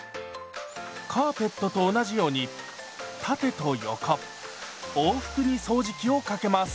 カーペットと同じように縦と横往復に掃除機をかけます。